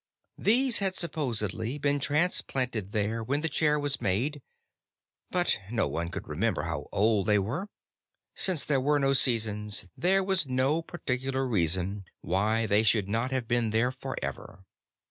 These had supposedly been transplanted there when the chair was made, but no one could remember how old they were; since there were no seasons, there was no particular reason why they should not have been there forever.